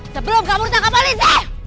sebelum kamu retak kembali zek